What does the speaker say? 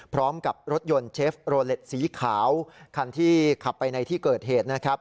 พร้อมกับรถยนต์เชฟโรเล็ตสีขาวคันที่ขับไปในที่เกิดเหตุนะครับ